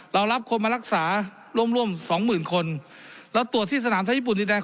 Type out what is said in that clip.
เรารับคนมารักษาร่วมร่วมสองหมื่นคนเราตรวจที่สนามไทยญี่ปุ่นดินแดง